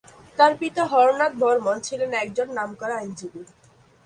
তার পিতা হরনাথ বর্মণ ছিলেন একজন নামকরা আইনজীবী।